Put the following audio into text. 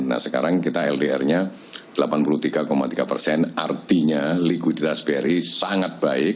nah sekarang kita ldr nya delapan puluh tiga tiga persen artinya likuiditas bri sangat baik